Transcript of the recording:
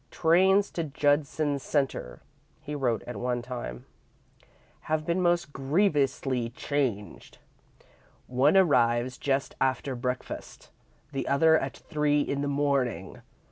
"Trains to Judson Centre," he wrote, at one time, "have been most grievously changed. One arrives just after breakfast, the other at three in the morning.